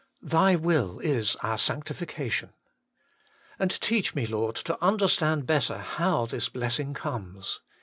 Thy will is our sanctification. And teach me, Lord, to understand better how this blessing comes.